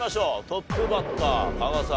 トップバッター加賀さん